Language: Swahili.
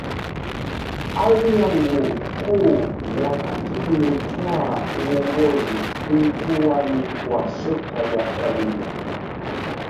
Ari yangu kuu wakati nilitwaa uongozi ilikuwa ni kwa sekta ya elimu